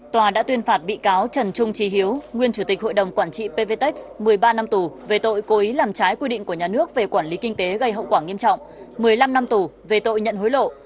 tòa đã tuyên phạt bị cáo trần trung trí hiếu nguyên chủ tịch hội đồng quản trị pvtec một mươi ba năm tù về tội cố ý làm trái quy định của nhà nước về quản lý kinh tế gây hậu quả nghiêm trọng một mươi năm năm tù về tội nhận hối lộ